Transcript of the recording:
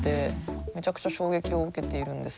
めちゃくちゃ衝撃を受けているんです